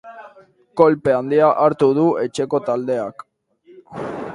Kolpe handia hartu du etxeko taldeak.